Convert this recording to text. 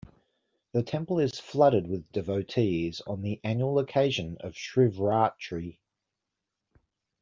The temple is flooded with devotees on the annual occasion of Shivratri.